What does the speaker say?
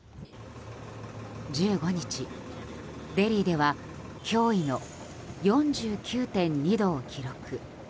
１５日、デリーでは脅威の４９．２度を記録。